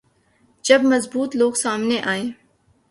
جب مضبوط لوگ سامنے آئیں۔